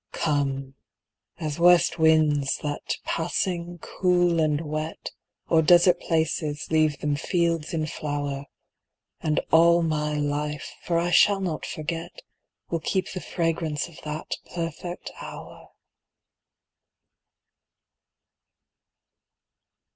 Come! as west winds, that passing, cool and wet, O'er desert places, leave them fields in flower; And all my life, for I shall not forget, Will keep the fragrance of that perfect hour